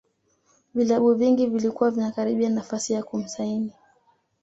vilabu vingi vilikuwa vinakaribia nafasi ya kumsaini